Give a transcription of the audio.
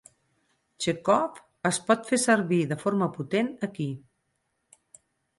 Chekov es pot fer servir de forma potent aquí.